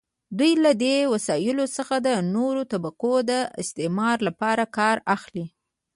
دوی له دې وسایلو څخه د نورو طبقو د استثمار لپاره کار اخلي.